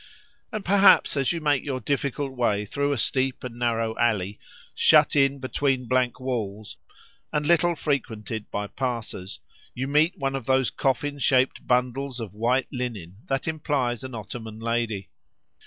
And perhaps as you make your difficult way through a steep and narrow alley, shut in between blank walls, and little frequented by passers, you meet one of those coffin shaped bundles of white linen that implies an Ottoman lady.